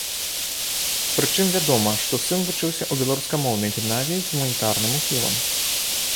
Прычым вядома, што сын вучыўся ў беларускамоўнай гімназіі з гуманітарным ухілам.